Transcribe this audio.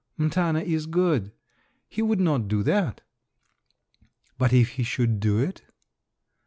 "M'tana is good. He would not do that." "But if he should do it?"